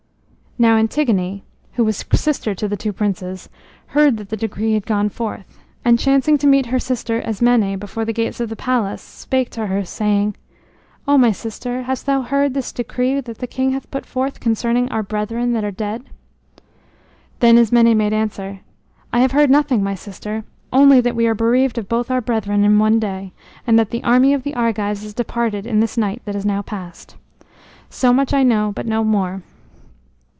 Now Antigone, who was sister to the two princes, heard that the decree had gone forth, and chancing to meet her sister Ismené before the gates of the palace, spake to her, saying: "O my sister, hast thou heard this decree that the king hath put forth concerning our brethren that are dead?" Then Ismené made answer: "I have heard nothing, my sister, only that we are bereaved of both of our brethren in one day and that the army of the Argives is departed in this night that is now past. So much I know, but no more."